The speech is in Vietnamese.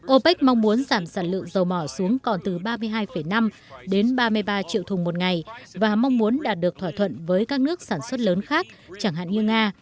opec mong muốn giảm sản lượng dầu mỏ xuống còn từ ba mươi hai năm đến ba mươi ba triệu thùng một ngày và mong muốn đạt được thỏa thuận với các nước sản xuất lớn khác chẳng hạn như nga